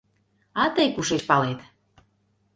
— А тый кушеч палет?